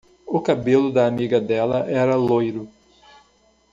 O cabelo da amiga dela era loiro.